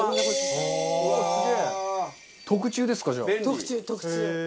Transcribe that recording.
特注特注。